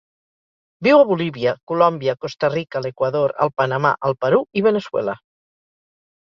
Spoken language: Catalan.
Viu a Bolívia, Colòmbia, Costa Rica, l'Equador, el Panamà, el Perú i Veneçuela.